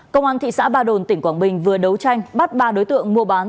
công an thị xã ba đồn tỉnh quảng bình vừa đấu tranh bắt ba đối tượng mua bán